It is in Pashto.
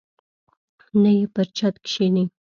نه یې پر چت کښیني.